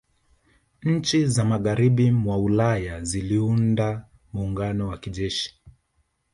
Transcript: Nchi za Magharibi mwa Ulaya ziliunda muungano wa kijeshi